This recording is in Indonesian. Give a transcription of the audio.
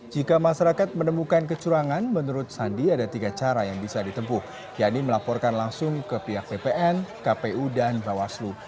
jika masyarakat menemukan kecurangan menurut sandi ada tiga cara yang bisa ditempuh yaitu melaporkan langsung ke pihak bpn kpu dan bawaslu